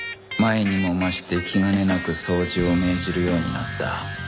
前にも増して気兼ねなく掃除を命じるようになった